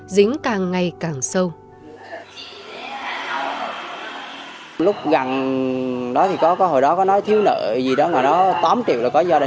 dính càng ngày càng sâu